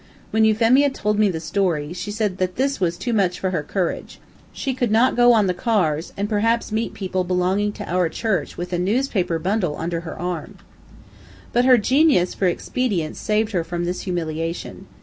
When Euphemia told me the story, she said that this was too much for her courage. She could not go on the cars, and perhaps meet people belonging to our church, with a newspaper bundle under her arm. But her genius for expedients saved her from this humiliation.